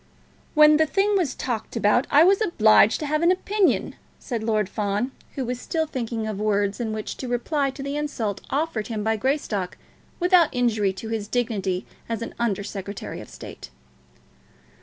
"When the thing was talked about I was obliged to have an opinion," said Lord Fawn, who was still thinking of words in which to reply to the insult offered him by Greystock without injury to his dignity as an Under Secretary of State.